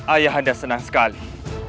ayah anda senang sekali